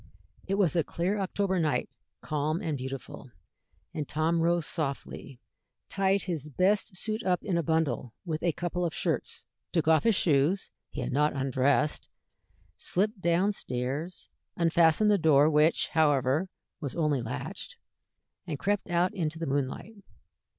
It was a clear October night, calm and beautiful, and Tom rose softly, tied his best suit up in a bundle with a couple of shirts, took off his shoes he had not undressed slipped down stairs, unfastened the door, which, however, was only latched, and crept out into the moonlight.